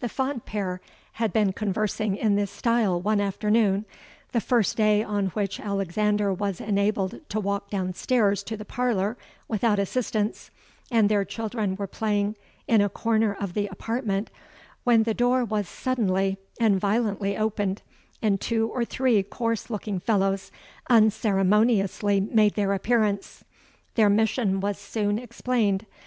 "The fond pair had been conversing in this style one afternoon—the first day on which Alexander was enabled to walk down stairs to the parlour without assistance,—and their children were playing in a corner of the apartment, when the door was suddenly and violently opened, and two or three coarse looking fellows unceremoniously made their appearance. Their mission was soon explained.